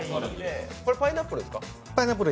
これパイナップルですか？